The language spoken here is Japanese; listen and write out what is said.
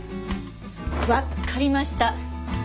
わかりました。